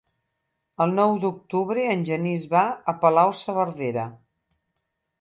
El nou d'octubre en Genís va a Palau-saverdera.